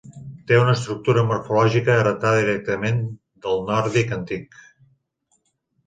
Té una estructura morfològica heretada directament del nòrdic antic.